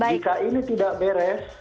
jika ini tidak beres